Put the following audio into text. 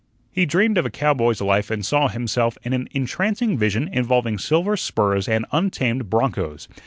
He dreamed of a cowboy's life and saw himself in an entrancing vision involving silver spurs and untamed bronchos.